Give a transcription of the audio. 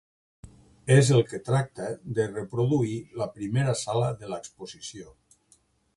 És el que tracta de reproduir la primera sala de l’exposició.